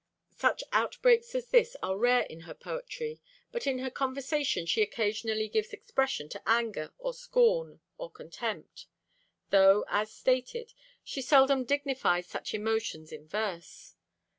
Such outbreaks as this are rare in her poetry, but in her conversation she occasionally gives expression to anger or scorn or contempt, though, as stated, she seldom dignifies such emotions in verse.